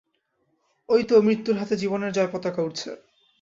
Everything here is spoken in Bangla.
ঐ তো মৃত্যুর হাতে জীবনের জয়পতাকা উড়ছে!